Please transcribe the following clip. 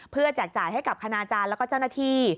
แจกจ่ายให้กับคณาจารย์แล้วก็เจ้าหน้าที่